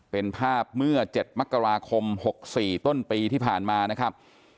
เป็นภาพเมื่อ๗มกราคม๖๔ต้นปีที่ผ่านมานะครับ